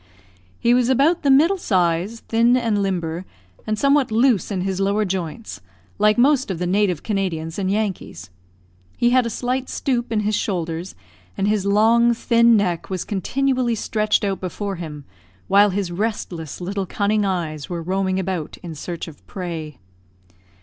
He was about the middle size, thin and limber, and somewhat loose in his lower joints, like most of the native Canadians and Yankees. He had a slight stoop in his shoulders, and his long, thin neck was continually stretched out before him, while his restless little cunning eyes were roaming about in search of prey.